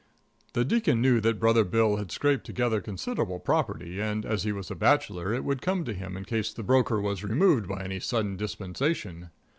The Deacon knew that Brother Bill had scraped together considerable property, and, as he was a bachelor, it would come to him in case the broker was removed by any sudden dispensation.